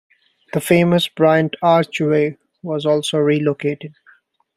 The famous Bryant Archway was also relocated.